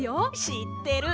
しってる！